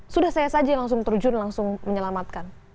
sudah saya saja yang langsung terjun langsung menyelamatkan